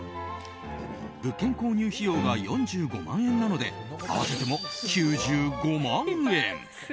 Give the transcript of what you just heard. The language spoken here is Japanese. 物件購入費用が４５万円なので合わせても９５万円。